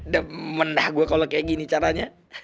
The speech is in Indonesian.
demen dah gue kalo kayak gini caranya